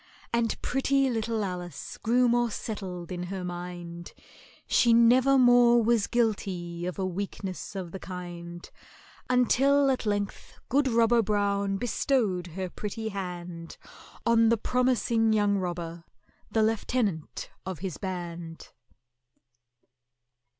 And pretty little ALICE grew more settled in her mind, She never more was guilty of a weakness of the kind, Until at length good ROBBER BROWN bestowed her pretty hand On the promising young robber, the lieutenant of his band.